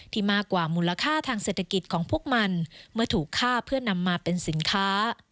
มากกว่ามูลค่าทางเศรษฐกิจของพวกมันเมื่อถูกฆ่าเพื่อนำมาเป็นสินค้า